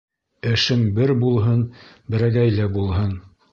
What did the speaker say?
Эшең бер булһын, берәгәйле булһын.